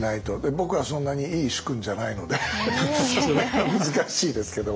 僕はそんなにいい主君じゃないので難しいですけど。